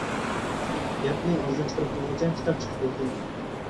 گەپنى ئاغزىدىن چىقىرىپ بولغۇچە كىتاب چىقىپ بوپتۇ مانا.